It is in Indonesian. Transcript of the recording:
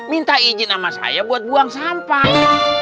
minta izin sama saya buat buang sampah